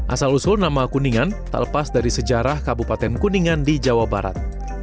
asal usul nama kuningan tak lepas dari sejarah kabupaten kuningan di jawa barat